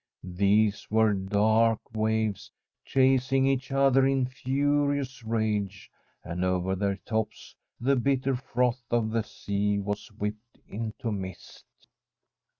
These were dark waves, chasing each other in furious rage, and over their tops the bitter froth of the sea was whipped into mist.